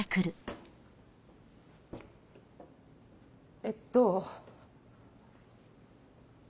えっと。